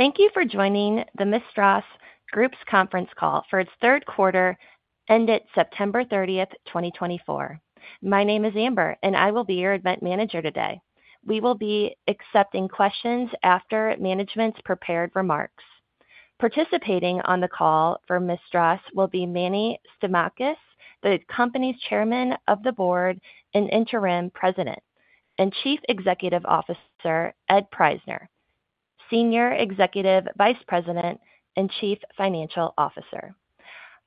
Thank you for joining the Mistras Group's conference call for its third quarter, ended September 30th, 2024. My name is Amber, and I will be your event manager today. We will be accepting questions after management's prepared remarks. Participating on the call for Mistras will be Manny Stamatakis, the company's Chairman of the Board and Interim President and Chief Executive Officer, Ed Prajzner, Senior Executive Vice President and Chief Financial Officer.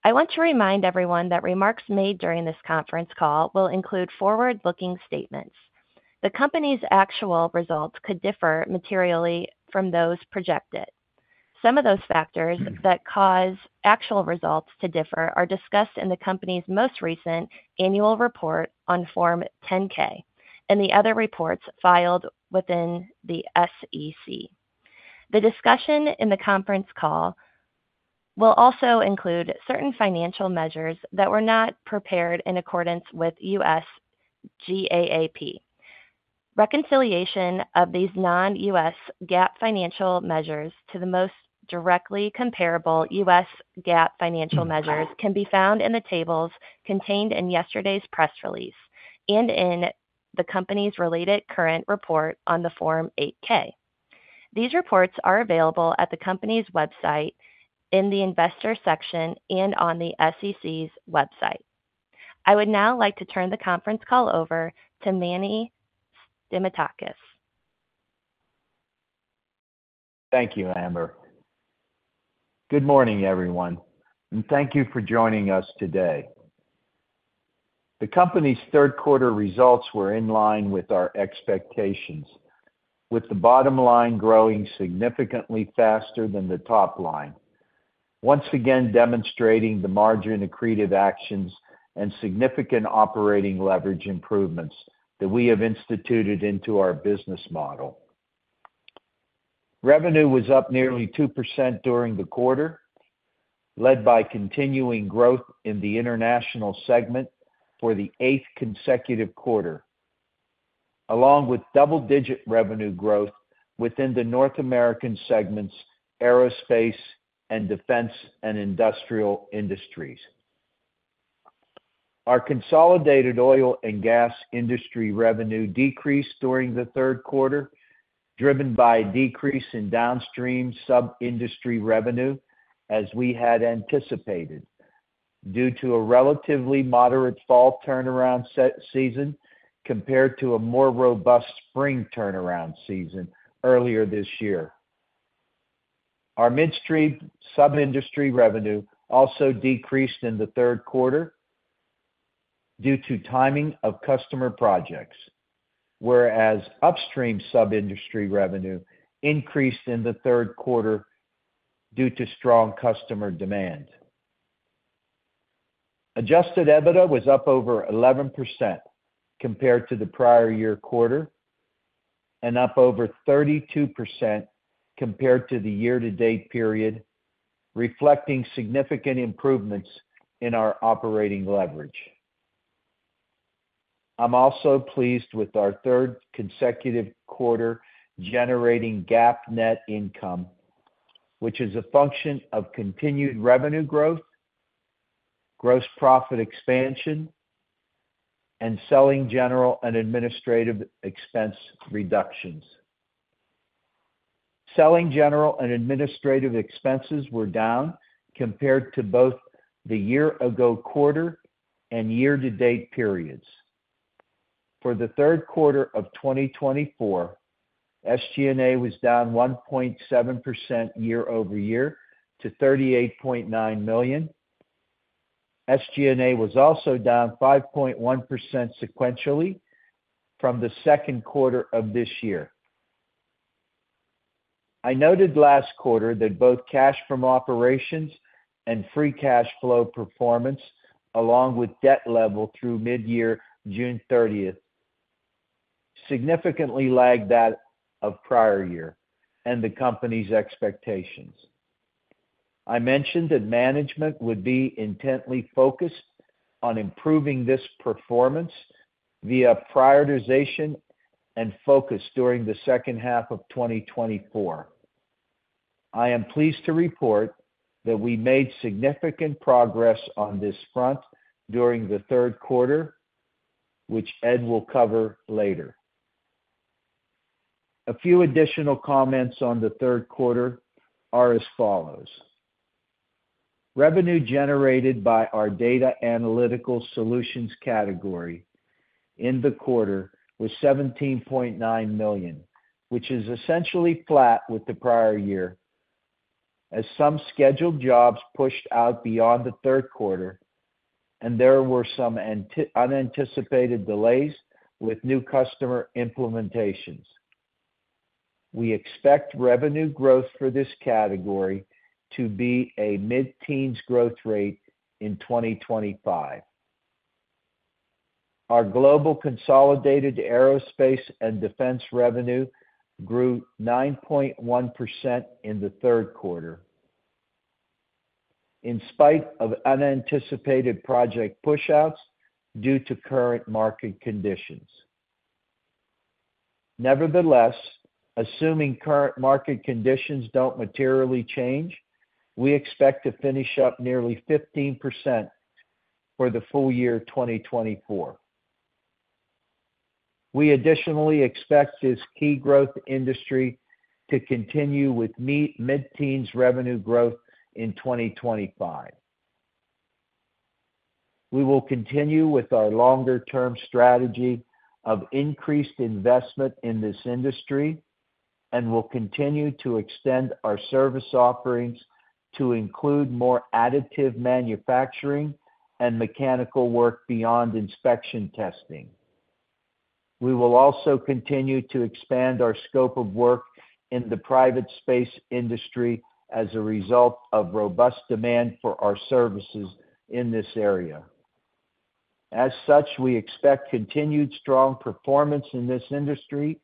I want to remind everyone that remarks made during this conference call will include forward-looking statements. The company's actual results could differ materially from those projected. Some of those factors that cause actual results to differ are discussed in the company's most recent annual report on Form 10-K and the other reports filed with the SEC. The discussion in the conference call will also include certain financial measures that were not prepared in accordance with U.S. GAAP. Reconciliation of these non-GAAP financial measures to the most directly comparable GAAP financial measures can be found in the tables contained in yesterday's press release and in the company's related current report on the Form 8-K. These reports are available at the company's website in the investor section and on the SEC's website. I would now like to turn the conference call over to Manny Stamatakis. Thank you, Amber. Good morning, everyone, and thank you for joining us today. The company's third quarter results were in line with our expectations, with the bottom line growing significantly faster than the top line, once again demonstrating the margin accretive actions and significant operating leverage improvements that we have instituted into our business model. Revenue was up nearly 2% during the quarter, led by continuing growth in the international segment for the eighth consecutive quarter, along with double-digit revenue growth within the North American segments, aerospace, and defense and industrial industries. Our consolidated oil and gas industry revenue decreased during the third quarter, driven by a decrease in downstream sub-industry revenue, as we had anticipated, due to a relatively moderate fall turnaround season compared to a more robust spring turnaround season earlier this year. Our midstream sub-industry revenue also decreased in the third quarter due to timing of customer projects, whereas upstream sub-industry revenue increased in the third quarter due to strong customer demand. Adjusted EBITDA was up over 11% compared to the prior year quarter and up over 32% compared to the year-to-date period, reflecting significant improvements in our operating leverage. I'm also pleased with our third consecutive quarter generating GAAP net income, which is a function of continued revenue growth, gross profit expansion, and selling general and administrative expense reductions. Selling general and administrative expenses were down compared to both the year-ago quarter and year-to-date periods. For the third quarter of 2024, SG&A was down 1.7% year-over-year to $38.9 million. SG&A was also down 5.1% sequentially from the second quarter of this year. I noted last quarter that both cash from operations and free cash flow performance, along with debt level through mid-year June 30th, significantly lagged that of prior year and the company's expectations. I mentioned that management would be intently focused on improving this performance via prioritization and focus during the second half of 2024. I am pleased to report that we made significant progress on this front during the third quarter, which Ed will cover later. A few additional comments on the third quarter are as follows: Revenue generated by our data analytical solutions category in the quarter was $17.9 million, which is essentially flat with the prior year, as some scheduled jobs pushed out beyond the third quarter, and there were some unanticipated delays with new customer implementations. We expect revenue growth for this category to be a mid-teens growth rate in 2025. Our global consolidated aerospace and defense revenue grew 9.1% in the third quarter, in spite of unanticipated project push-outs due to current market conditions. Nevertheless, assuming current market conditions don't materially change, we expect to finish up nearly 15% for the full year 2024. We additionally expect this key growth industry to continue with mid-teens revenue growth in 2025. We will continue with our longer-term strategy of increased investment in this industry and will continue to extend our service offerings to include more additive manufacturing and mechanical work beyond inspection testing. We will also continue to expand our scope of work in the private space industry as a result of robust demand for our services in this area. As such, we expect continued strong performance in this industry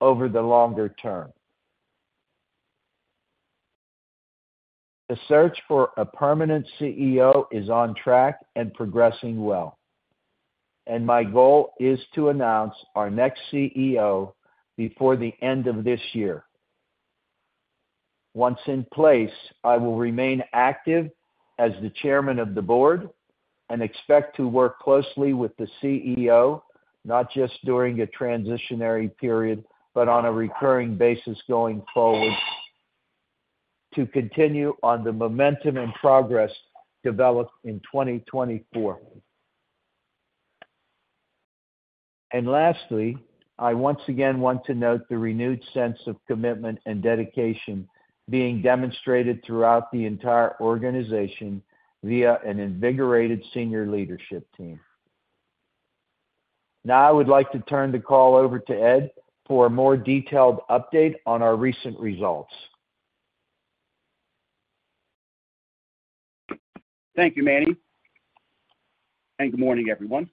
over the longer term. The search for a permanent CEO is on track and progressing well, and my goal is to announce our next CEO before the end of this year. Once in place, I will remain active as the Chairman of the Board and expect to work closely with the CEO, not just during a transitionary period but on a recurring basis going forward, to continue on the momentum and progress developed in 2024. And lastly, I once again want to note the renewed sense of commitment and dedication being demonstrated throughout the entire organization via an invigorated senior leadership team. Now, I would like to turn the call over to Ed for a more detailed update on our recent results. Thank you, Manny. Good morning, everyone.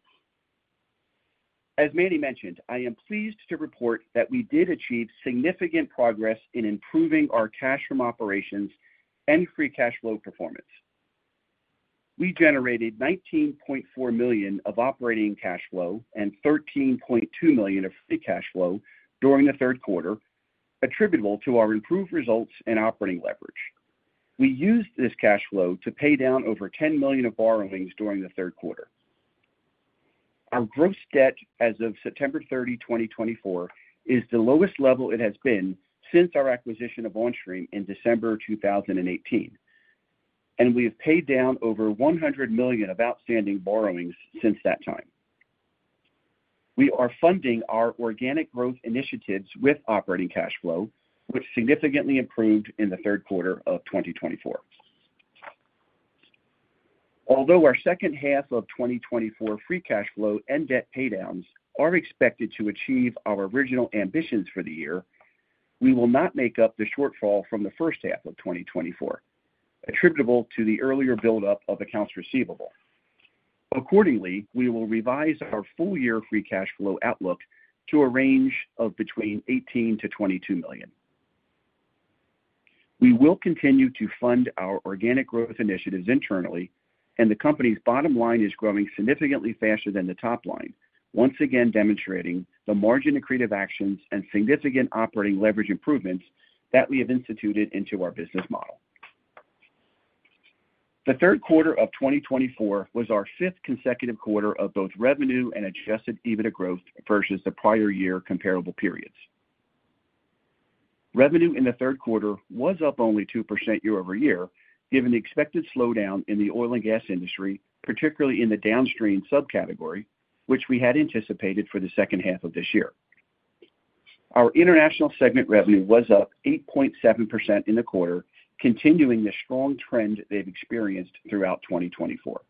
As Manny mentioned, I am pleased to report that we did achieve significant progress in improving our cash from operations and free cash flow performance. We generated $19.4 million of operating cash flow and $13.2 million of free cash flow during the third quarter, attributable to our improved results and operating leverage. We used this cash flow to pay down over $10 million of borrowings during the third quarter. Our gross debt as of September 30, 2024, is the lowest level it has been since our acquisition of Onstream in December 2018, and we have paid down over $100 million of outstanding borrowings since that time. We are funding our organic growth initiatives with operating cash flow, which significantly improved in the third quarter of 2024. Although our second half of 2024 Free Cash Flow and debt paydowns are expected to achieve our original ambitions for the year, we will not make up the shortfall from the first half of 2024, attributable to the earlier buildup of accounts receivable. Accordingly, we will revise our full-year Free Cash Flow outlook to a range of between $18 million to $22 million. We will continue to fund our Organic Growth initiatives internally, and the company's bottom line is growing significantly faster than the top line, once again demonstrating the margin accretive actions and significant Operating Leverage improvements that we have instituted into our business model. The third quarter of 2024 was our fifth consecutive quarter of both revenue and Adjusted EBITDA growth versus the prior year comparable periods. Revenue in the third quarter was up only 2% year-over-year, given the expected slowdown in the oil and gas industry, particularly in the downstream subcategory, which we had anticipated for the second half of this year. Our international segment revenue was up 8.7% in the quarter, continuing the strong trend they've experienced throughout 2024.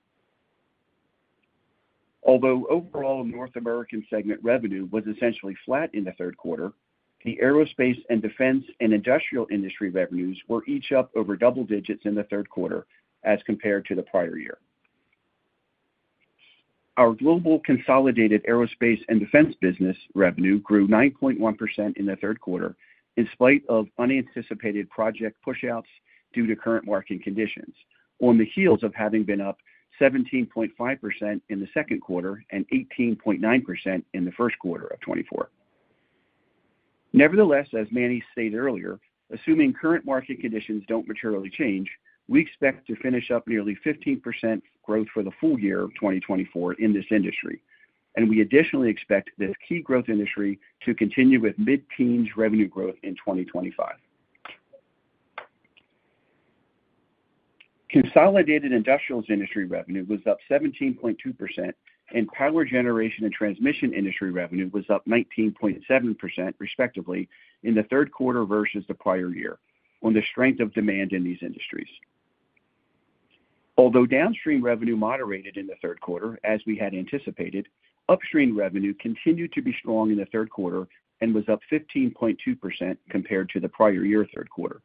Although overall North American segment revenue was essentially flat in the third quarter, the aerospace and defense and industrial industry revenues were each up over double digits in the third quarter as compared to the prior year. Our global consolidated aerospace and defense business revenue grew 9.1% in the third quarter in spite of unanticipated project push-outs due to current market conditions, on the heels of having been up 17.5% in the second quarter and 18.9% in the first quarter of 2024. Nevertheless, as Manny stated earlier, assuming current market conditions don't materially change, we expect to finish up nearly 15% growth for the full year of 2024 in this industry, and we additionally expect this key growth industry to continue with mid-teens revenue growth in 2025. Consolidated industrials industry revenue was up 17.2%, and power generation and transmission industry revenue was up 19.7%, respectively, in the third quarter versus the prior year, on the strength of demand in these industries. Although downstream revenue moderated in the third quarter, as we had anticipated, upstream revenue continued to be strong in the third quarter and was up 15.2% compared to the prior year third quarter.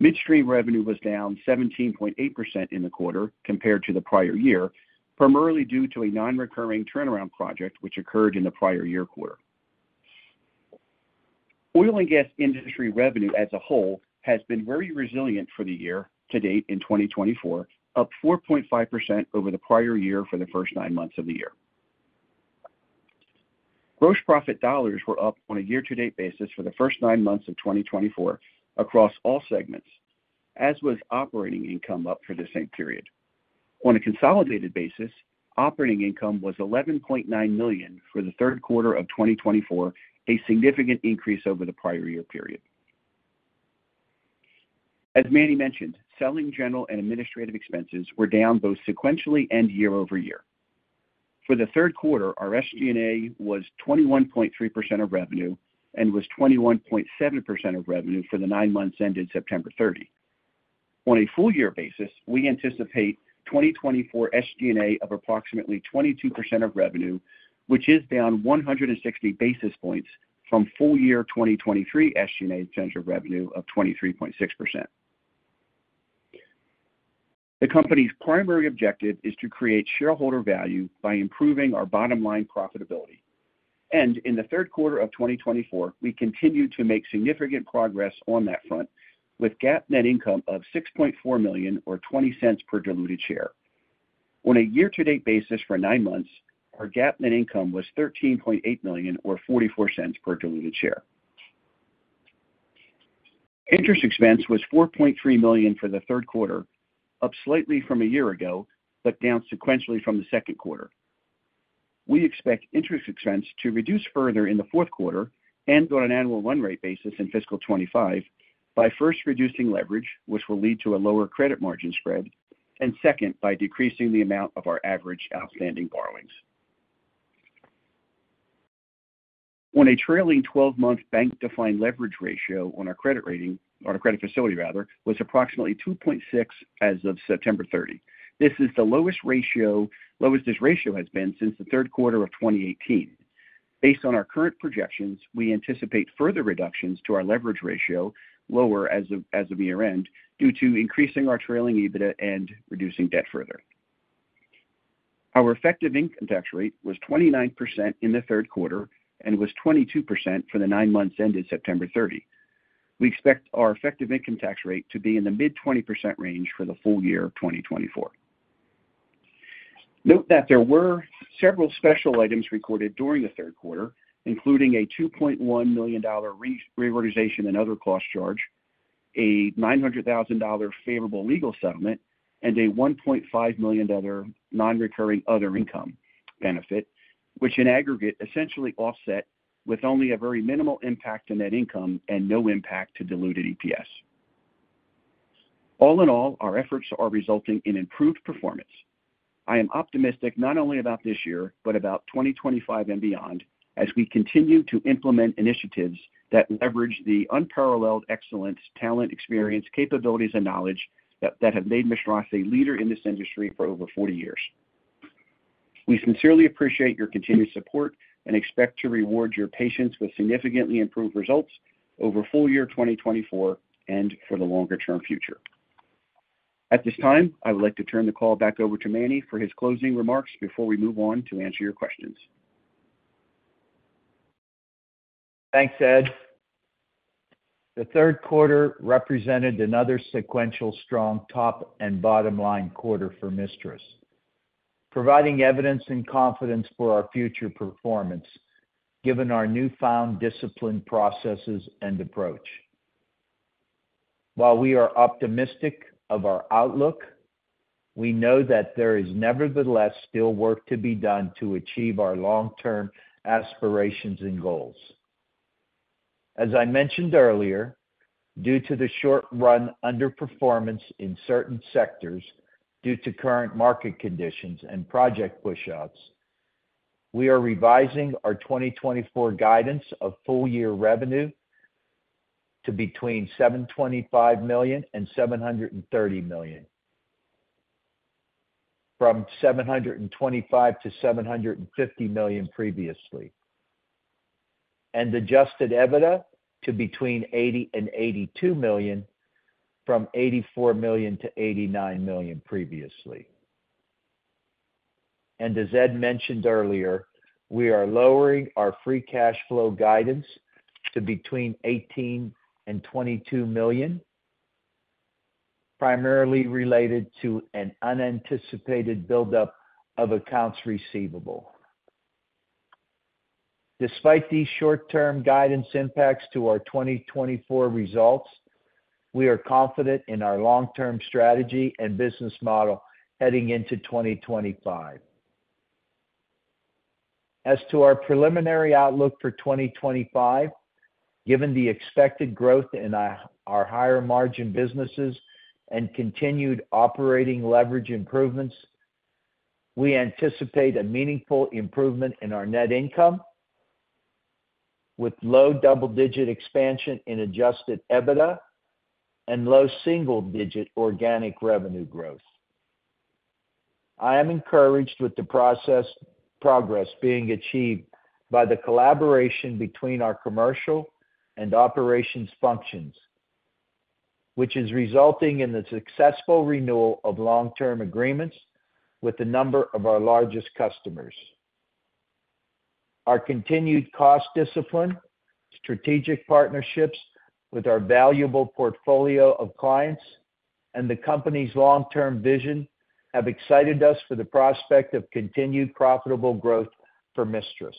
Midstream revenue was down 17.8% in the quarter compared to the prior year, primarily due to a non-recurring turnaround project which occurred in the prior year quarter. Oil and gas industry revenue as a whole has been very resilient for the year to date in 2024, up 4.5% over the prior year for the first nine months of the year. Gross profit dollars were up on a year-to-date basis for the first nine months of 2024 across all segments, as was operating income up for the same period. On a consolidated basis, operating income was $11.9 million for the third quarter of 2024, a significant increase over the prior year period. As Manny mentioned, selling general and administrative expenses were down both sequentially and year-over-year. For the third quarter, our SG&A was 21.3% of revenue and was 21.7% of revenue for the nine months ended September 30. On a full-year basis, we anticipate 2024 SG&A of approximately 22% of revenue, which is down 160 basis points from full-year 2023 SG&A in terms of revenue of 23.6%. The company's primary objective is to create shareholder value by improving our bottom line profitability. And in the third quarter of 2024, we continue to make significant progress on that front, with GAAP net income of $6.4 million, or $0.20 per diluted share. On a year-to-date basis for nine months, our GAAP net income was $13.8 million, or $0.44 per diluted share. Interest expense was $4.3 million for the third quarter, up slightly from a year ago, but down sequentially from the second quarter. We expect interest expense to reduce further in the fourth quarter and on an annual run rate basis in fiscal 2025 by first reducing leverage, which will lead to a lower credit margin spread, and second, by decreasing the amount of our average outstanding borrowings. Our trailing 12-month bank-defined leverage ratio on our credit facility, rather, was approximately 2.6 as of September 30. This is the lowest this ratio has been since the third quarter of 2018. Based on our current projections, we anticipate further reductions to our leverage ratio, lower as of year-end, due to increasing our trailing EBITDA and reducing debt further. Our effective income tax rate was 29% in the third quarter and was 22% for the nine months ended September 30. We expect our effective income tax rate to be in the mid-20% range for the full year of 2024. Note that there were several special items recorded during the third quarter, including a $2.1 million reorganization and other cost charge, a $900,000 favorable legal settlement, and a $1.5 million non-recurring other income benefit, which in aggregate essentially offset with only a very minimal impact to net income and no impact to diluted EPS. All in all, our efforts are resulting in improved performance. I am optimistic not only about this year but about 2025 and beyond as we continue to implement initiatives that leverage the unparalleled excellence, talent, experience, capabilities, and knowledge that have made Mistras a leader in this industry for over 40 years. We sincerely appreciate your continued support and expect to reward your patience with significantly improved results over full year 2024 and for the longer-term future. At this time, I would like to turn the call back over to Manny for his closing remarks before we move on to answer your questions. Thanks, Ed. The third quarter represented another sequential strong top and bottom line quarter for Mistras, providing evidence and confidence for our future performance given our newfound discipline, processes, and approach. While we are optimistic of our outlook, we know that there is nevertheless still work to be done to achieve our long-term aspirations and goals. As I mentioned earlier, due to the short-run underperformance in certain sectors due to current market conditions and project push-outs, we are revising our 2024 guidance of full-year revenue to between $725 million and $730 million, from $725-$750 million previously, and Adjusted EBITDA to between $80-$82 million, from $84-$89 million previously, and as Ed mentioned earlier, we are lowering our free cash flow guidance to between $18-$22 million, primarily related to an unanticipated buildup of accounts receivable. Despite these short-term guidance impacts to our 2024 results, we are confident in our long-term strategy and business model heading into 2025. As to our preliminary outlook for 2025, given the expected growth in our higher-margin businesses and continued operating leverage improvements, we anticipate a meaningful improvement in our net income with low double-digit expansion in Adjusted EBITDA and low single-digit organic revenue growth. I am encouraged with the process progress being achieved by the collaboration between our commercial and operations functions, which is resulting in the successful renewal of long-term agreements with a number of our largest customers. Our continued cost discipline, strategic partnerships with our valuable portfolio of clients, and the company's long-term vision have excited us for the prospect of continued profitable growth for Mistras.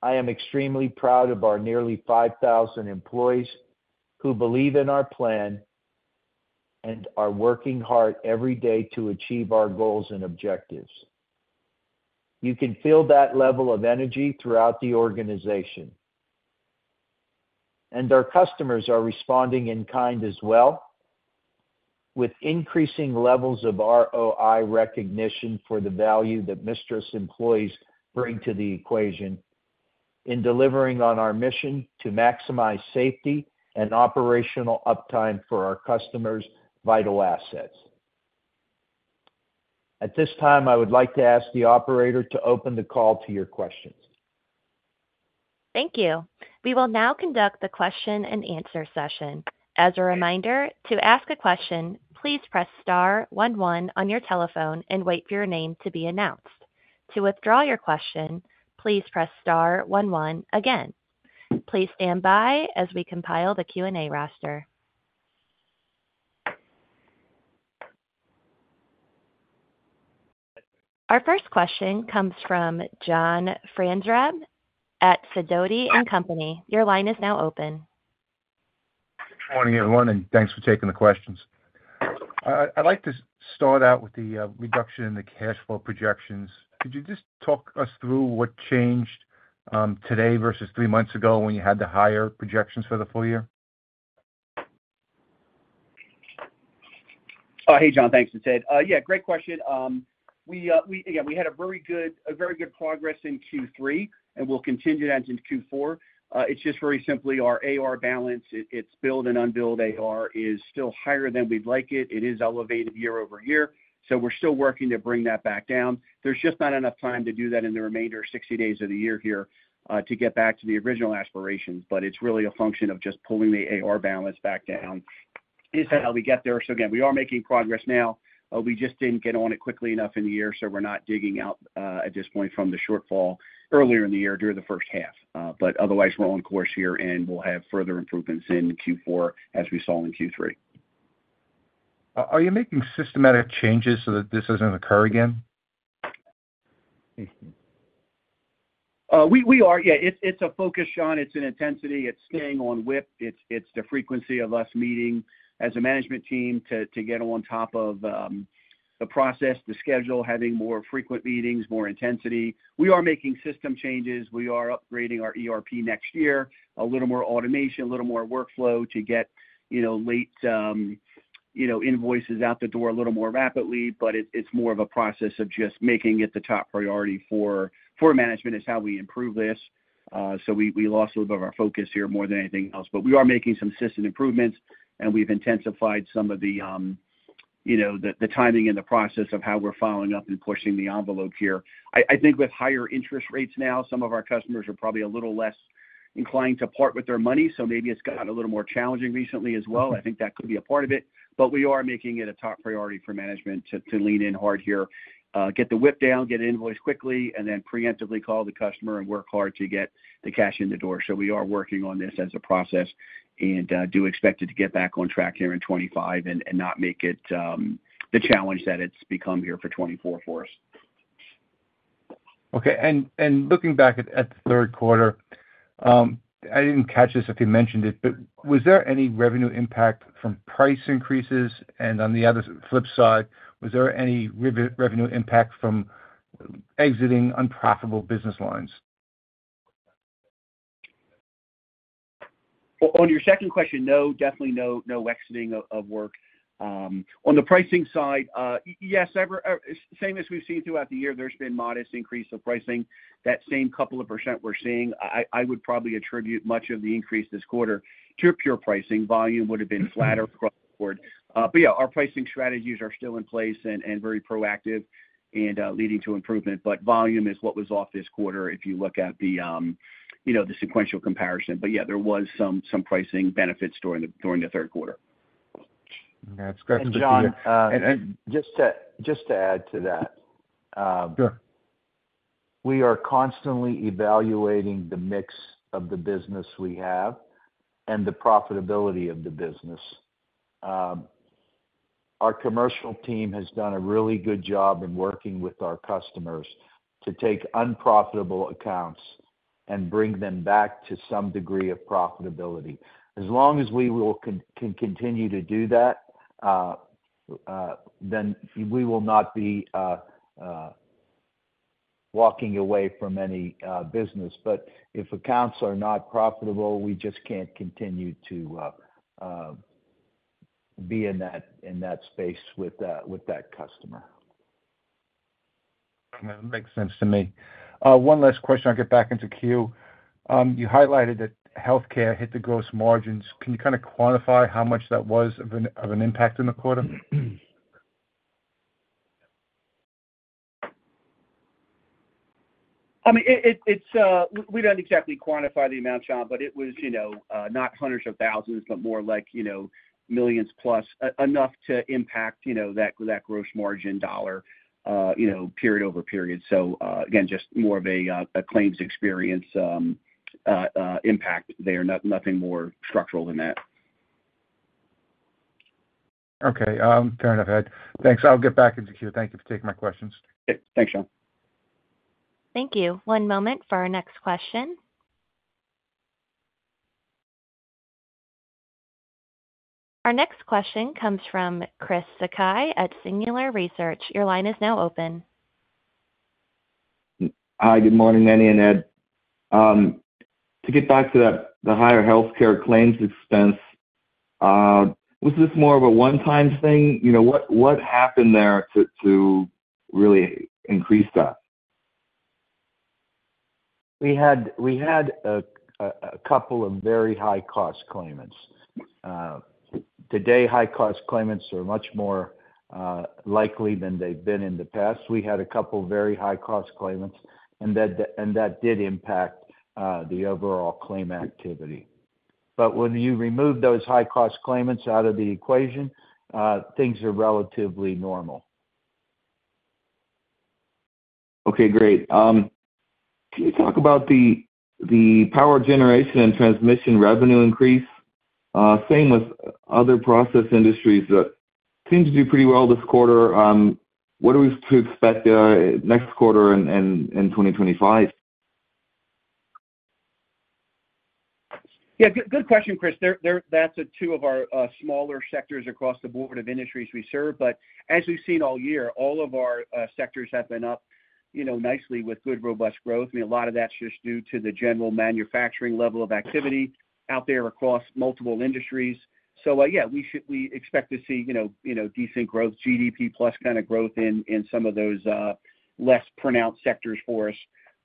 I am extremely proud of our nearly 5,000 employees who believe in our plan and are working hard every day to achieve our goals and objectives. You can feel that level of energy throughout the organization, and our customers are responding in kind as well, with increasing levels of ROI recognition for the value that Mistras employees bring to the equation in delivering on our mission to maximize safety and operational uptime for our customers' vital assets. At this time, I would like to ask the operator to open the call to your questions. Thank you. We will now conduct the question-and-answer session. As a reminder, to ask a question, please press star 11 on your telephone and wait for your name to be announced. To withdraw your question, please press star 11 again. Please stand by as we compile the Q&A roster. Our first question comes from John Franzreb at Sidoti & Company. Your line is now open. Good morning, everyone, and thanks for taking the questions. I'd like to start out with the reduction in the cash flow projections. Could you just talk us through what changed today versus three months ago when you had the higher projections for the full year? Hey, John, thanks, it's Ed. Yeah, great question. Again, we had a very good progress in Q3, and we'll continue that into Q4. It's just very simply our AR balance, its build and unbuild AR, is still higher than we'd like it. It is elevated year over year, so we're still working to bring that back down. There's just not enough time to do that in the remainder of 60 days of the year here to get back to the original aspirations, but it's really a function of just pulling the AR balance back down is how we get there. So again, we are making progress now. We just didn't get on it quickly enough in the year, so we're not digging out at this point from the shortfall earlier in the year during the first half. But otherwise, we're on course here, and we'll have further improvements in Q4 as we saw in Q3. Are you making systematic changes so that this doesn't occur again? We are, yeah. It's a focus, John. It's an intensity. It's staying on WIP. It's the frequency of us meeting as a management team to get on top of the process, the schedule, having more frequent meetings, more intensity. We are making system changes. We are upgrading our ERP next year, a little more automation, a little more workflow to get late invoices out the door a little more rapidly, but it's more of a process of just making it the top priority for management, is how we improve this, so we lost a little bit of our focus here more than anything else, but we are making some system improvements, and we've intensified some of the timing and the process of how we're following up and pushing the envelope here. I think with higher interest rates now, some of our customers are probably a little less inclined to part with their money, so maybe it's gotten a little more challenging recently as well. I think that could be a part of it. But we are making it a top priority for management to lean in hard here, get the WIP down, get an invoice quickly, and then preemptively call the customer and work hard to get the cash in the door. We are working on this as a process and do expect it to get back on track here in 2025 and not make it the challenge that it's become here for 2024 for us. Okay. And looking back at the third quarter, I didn't catch this if you mentioned it, but was there any revenue impact from price increases? And on the other flip side, was there any revenue impact from exiting unprofitable business lines? On your second question, no, definitely no exiting of work. On the pricing side, yes, same as we've seen throughout the year, there's been modest increase of pricing. That same couple of % we're seeing, I would probably attribute much of the increase this quarter to pure pricing. Volume would have been flatter across the board, but yeah, our pricing strategies are still in place and very proactive and leading to improvement, but volume is what was off this quarter if you look at the sequential comparison, but yeah, there was some pricing benefits during the third quarter. That's great. And John, just to add to that. Sure. We are constantly evaluating the mix of the business we have and the profitability of the business. Our commercial team has done a really good job in working with our customers to take unprofitable accounts and bring them back to some degree of profitability. As long as we can continue to do that, then we will not be walking away from any business. But if accounts are not profitable, we just can't continue to be in that space with that customer. That makes sense to me. One last question I'll get back into Q. You highlighted that healthcare hit the gross margins. Can you kind of quantify how much that was of an impact in the quarter? I mean, we don't exactly quantify the amount, John, but it was not hundreds of thousands, but more like millions plus, enough to impact that gross margin dollar period over period. So again, just more of a claims experience impact there, nothing more structural than that. Okay. Fair enough, Ed. Thanks. I'll get back into Q. Thank you for taking my questions. Thanks, John. Thank you. One moment for our next question. Our next question comes from Chris Sakai at Singular Research. Your line is now open. Hi, good morning, Manny and Ed. To get back to the higher healthcare claims expense, was this more of a one-time thing? What happened there to really increase that? We had a couple of very high-cost claimants. Today, high-cost claimants are much more likely than they've been in the past. We had a couple of very high-cost claimants, and that did impact the overall claim activity. But when you remove those high-cost claimants out of the equation, things are relatively normal. Okay, great. Can you talk about the power generation and transmission revenue increase? Same with other process industries that seem to do pretty well this quarter. What are we to expect next quarter in 2025? Yeah, good question, Chris. That's two of our smaller sectors across the board of industries we serve. But as we've seen all year, all of our sectors have been up nicely with good robust growth. I mean, a lot of that's just due to the general manufacturing level of activity out there across multiple industries. So yeah, we expect to see decent growth, GDP-plus kind of growth in some of those less pronounced sectors for us.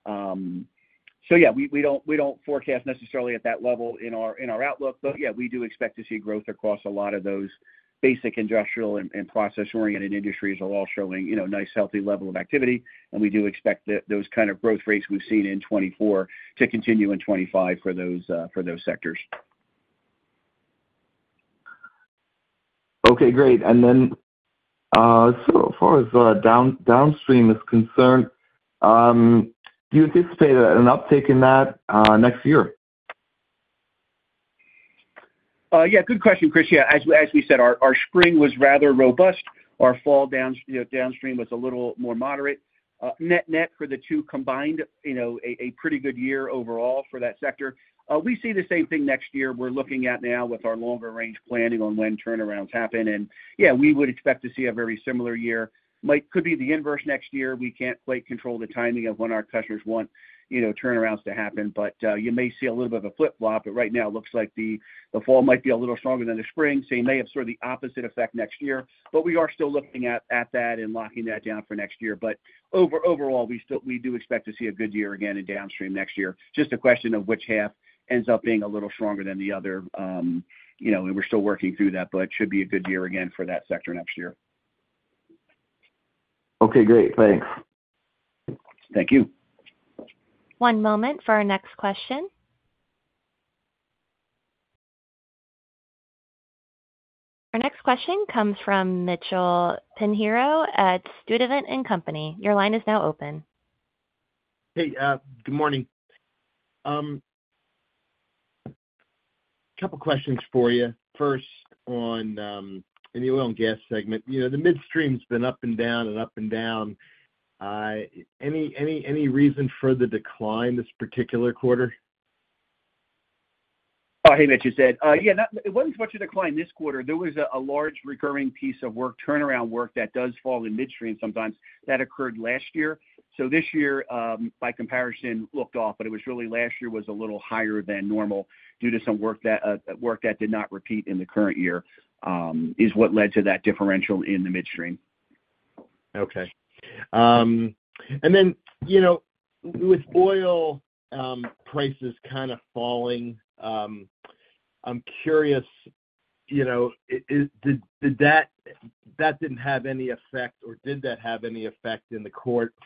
So yeah, we don't forecast necessarily at that level in our outlook, but yeah, we do expect to see growth across a lot of those basic industrial and process-oriented industries are all showing a nice, healthy level of activity. And we do expect those kind of growth rates we've seen in 2024 to continue in 2025 for those sectors. Okay, great. And then so far as downstream is concerned, do you anticipate an uptick in that next year? Yeah, good question, Chris. Yeah, as we said, our spring was rather robust. Our fall downstream was a little more moderate. Net for the two combined, a pretty good year overall for that sector. We see the same thing next year. We're looking at now with our longer-range planning on when turnarounds happen. And yeah, we would expect to see a very similar year. It could be the inverse next year. We can't quite control the timing of when our customers want turnarounds to happen, but you may see a little bit of a flip-flop. But right now, it looks like the fall might be a little stronger than the spring, so you may have sort of the opposite effect next year. But we are still looking at that and locking that down for next year. But overall, we do expect to see a good year again in downstream next year. Just a question of which half ends up being a little stronger than the other. And we're still working through that, but it should be a good year again for that sector next year. Okay, great. Thanks. Thank you. One moment for our next question. Our next question comes from Mitchell Pinheiro at Sturdivant & Co. Your line is now open. Hey, good morning. A couple of questions for you. First, in the oil and gas segment, the midstream's been up and down and up and down. Any reason for the decline this particular quarter? Oh, hey, Mitchell. Yeah, it wasn't so much a decline this quarter. There was a large recurring piece of work, turnaround work that does fall in midstream sometimes. That occurred last year. So this year, by comparison, looked off, but it was really last year was a little higher than normal due to some work that did not repeat in the current year, is what led to that differential in the midstream. Okay. And then with oil prices kind of falling, I'm curious, did that have any effect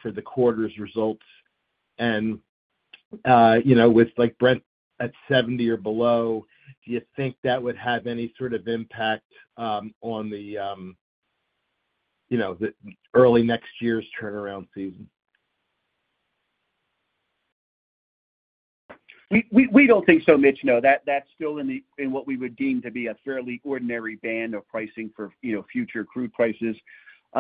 for the quarter's results? And with Brent at 70 or below, do you think that would have any sort of impact on the early next year's turnaround season? We don't think so, Mitch. No, that's still in what we would deem to be a fairly ordinary band of pricing for future crude prices.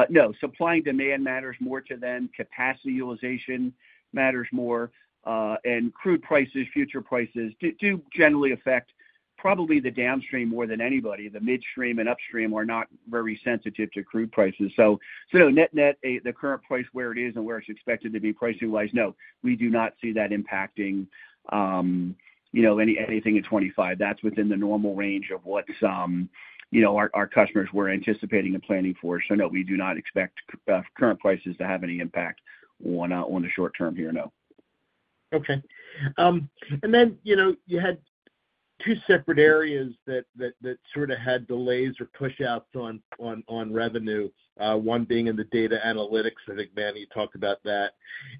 No, supply and demand matters more to them. Capacity utilization matters more, and crude prices, future prices do generally affect probably the downstream more than anybody. The midstream and upstream are not very sensitive to crude prices. So net net, the current price where it is and where it's expected to be pricing-wise, no, we do not see that impacting anything in 2025. That's within the normal range of what our customers were anticipating and planning for. So no, we do not expect current prices to have any impact on the short term here, no. Okay. And then you had two separate areas that sort of had delays or push-outs on revenue, one being in the data analytics. I think Manny talked about that.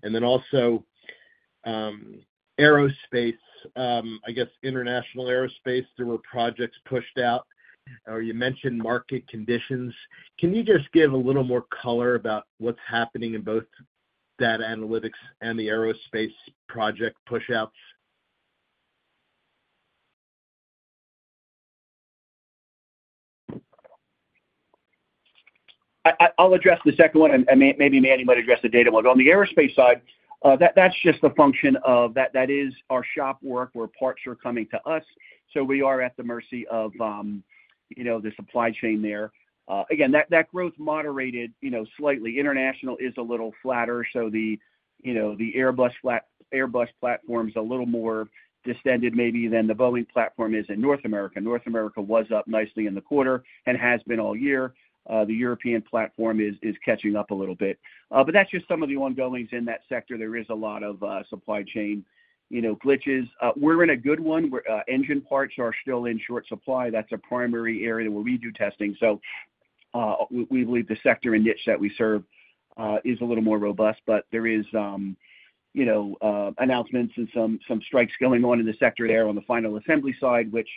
And then also aerospace, I guess international aerospace, there were projects pushed out. Or you mentioned market conditions. Can you just give a little more color about what's happening in both data analytics and the aerospace project push-outs? I'll address the second one. Maybe Manny might address the data one. On the aerospace side, that's just a function of that is our shop work where parts are coming to us. So we are at the mercy of the supply chain there. Again, that growth moderated slightly. International is a little flatter. So the Airbus platform is a little more distended maybe than the Boeing platform is in North America. North America was up nicely in the quarter and has been all year. The European platform is catching up a little bit. But that's just some of the ongoings in that sector. There is a lot of supply chain glitches. We're in a good one. Engine parts are still in short supply. That's a primary area where we do testing. So we believe the sector and niche that we serve is a little more robust, but there are announcements and some strikes going on in the sector there on the final assembly side, which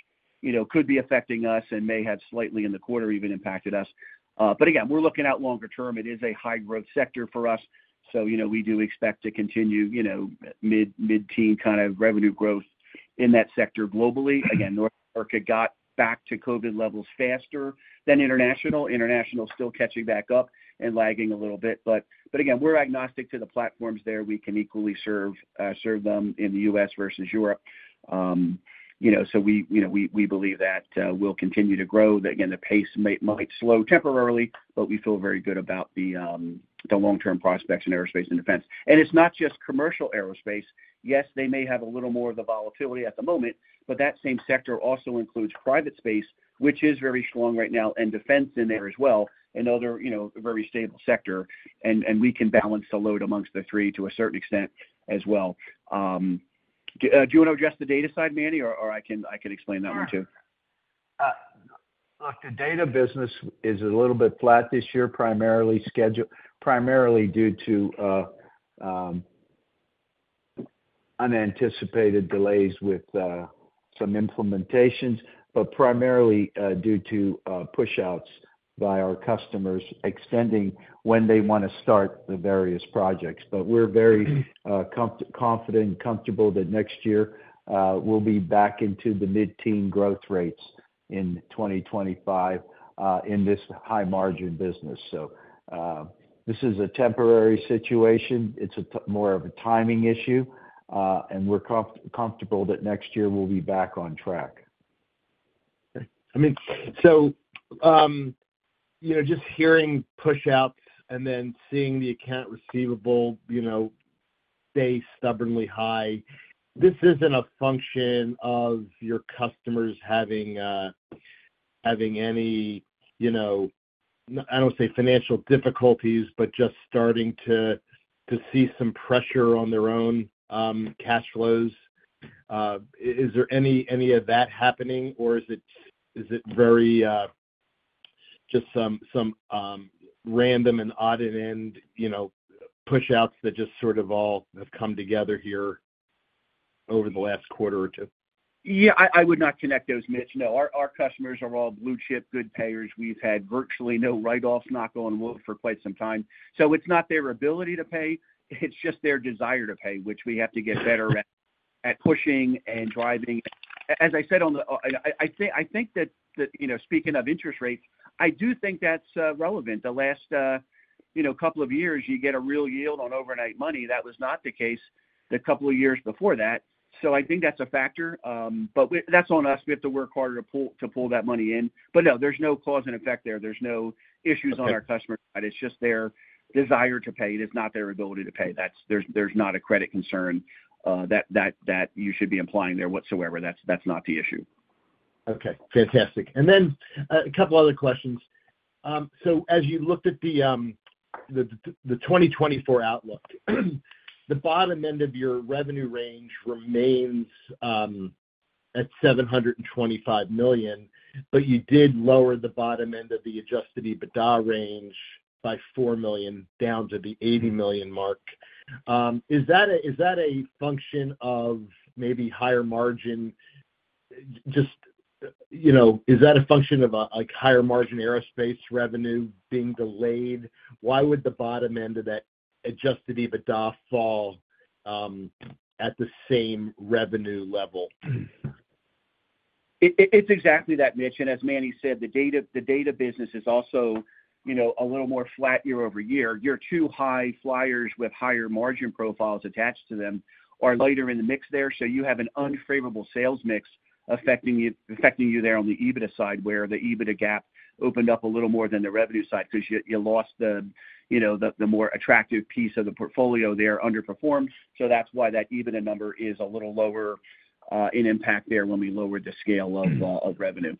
could be affecting us and may have slightly in the quarter even impacted us. But again, we're looking at longer term. It is a high-growth sector for us. So we do expect to continue mid-teen kind of revenue growth in that sector globally. Again, North America got back to COVID levels faster than international. International is still catching back up and lagging a little bit. But again, we're agnostic to the platforms there. We can equally serve them in the U.S. versus Europe. So we believe that we'll continue to grow. Again, the pace might slow temporarily, but we feel very good about the long-term prospects in aerospace and defense, and it's not just commercial aerospace. Yes, they may have a little more of the volatility at the moment, but that same sector also includes private space, which is very strong right now, and defense in there as well, and other very stable sector, and we can balance the load amongst the three to a certain extent as well. Do you want to address the data side, Manny, or I can explain that one too? Look, the data business is a little bit flat this year, primarily due to unanticipated delays with some implementations, but primarily due to push-outs by our customers extending when they want to start the various projects. But we're very confident and comfortable that next year we'll be back into the mid-teen growth rates in 2025 in this high-margin business. So this is a temporary situation. It's more of a timing issue. And we're comfortable that next year we'll be back on track. Okay. I mean, so just hearing push-outs and then seeing the accounts receivable stay stubbornly high, this isn't a function of your customers having any—I don't want to say financial difficulties, but just starting to see some pressure on their own cash flows. Is there any of that happening, or is it very just some random and odd-end push-outs that just sort of all have come together here over the last quarter or two? Yeah, I would not connect those, Mitch. No, our customers are all blue-chip good payers. We've had virtually no write-offs knock on wood for quite some time. So it's not their ability to pay. It's just their desire to pay, which we have to get better at pushing and driving. As I said, I think that speaking of interest rates, I do think that's relevant. The last couple of years, you get a real yield on overnight money. That was not the case the couple of years before that. So I think that's a factor, but that's on us. We have to work harder to pull that money in. But no, there's no cause and effect there. There's no issues on our customer side. It's just their desire to pay. It is not their ability to pay. There's not a credit concern that you should be implying there whatsoever. That's not the issue. Okay. Fantastic. And then a couple of other questions. So as you looked at the 2024 outlook, the bottom end of your revenue range remains at $725 million, but you did lower the bottom end of the Adjusted EBITDA range by $4 million down to the $80 million mark. Is that a function of maybe higher margin? Just is that a function of higher margin aerospace revenue being delayed? Why would the bottom end of that Adjusted EBITDA fall at the same revenue level? It's exactly that, Mitch. And as Manny said, the data business is also a little more flat year over year. Your two high flyers with higher margin profiles attached to them are later in the mix there. So you have an unfavorable sales mix affecting you there on the EBITDA side where the EBITDA gap opened up a little more than the revenue side because you lost the more attractive piece of the portfolio there underperformed. So that's why that EBITDA number is a little lower in impact there when we lowered the scale of revenue.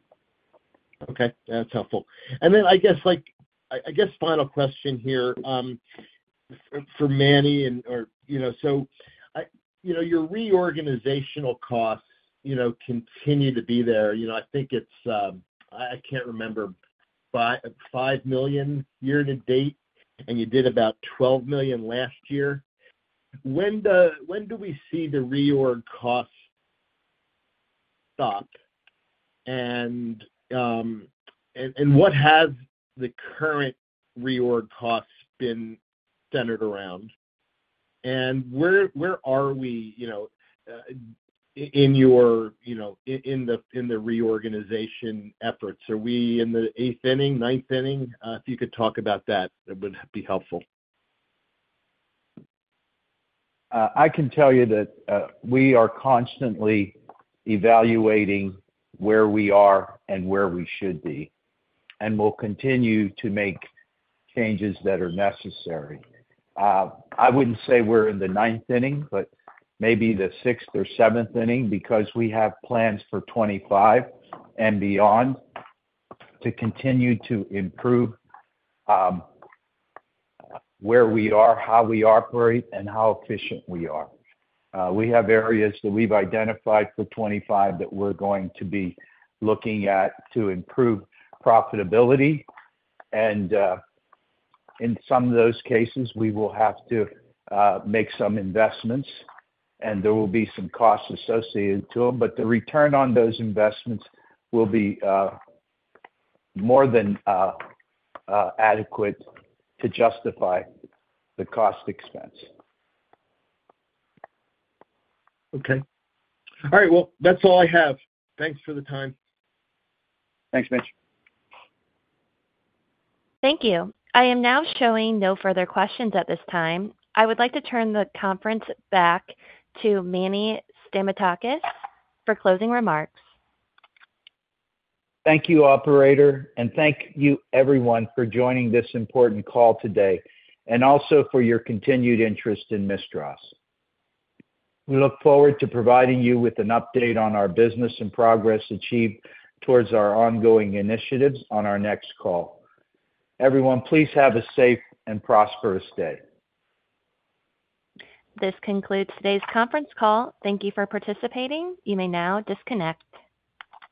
Okay. That's helpful. And then I guess final question here for Manny and so your reorganizational costs continue to be there. I think it's—I can't remember—$five million year to date, and you did about $12 million last year. When do we see the reorg costs stop? And what has the current reorg costs been centered around? And where are we in the reorganization efforts? Are we in the eighth inning, ninth inning? If you could talk about that, it would be helpful. I can tell you that we are constantly evaluating where we are and where we should be, and we'll continue to make changes that are necessary. I wouldn't say we're in the ninth inning, but maybe the sixth or seventh inning because we have plans for 2025 and beyond to continue to improve where we are, how we operate, and how efficient we are. We have areas that we've identified for 2025 that we're going to be looking at to improve profitability, and in some of those cases, we will have to make some investments, and there will be some costs associated to them, but the return on those investments will be more than adequate to justify the cost expense. Okay. All right. Well, that's all I have. Thanks for the time. Thanks, Mitch. Thank you. I am now showing no further questions at this time. I would like to turn the conference back to Manny Stamatakis for closing remarks. Thank you, Operator, and thank you, everyone, for joining this important call today and also for your continued interest in Mistras. We look forward to providing you with an update on our business and progress achieved towards our ongoing initiatives on our next call. Everyone, please have a safe and prosperous day. This concludes today's conference call. Thank you for participating. You may now disconnect.